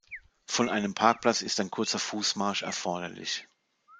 Von einem Parkplatz ist ein kurzer Fußmarsch erforderlich.